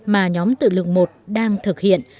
mà nhóm tự lực một đang thực hiện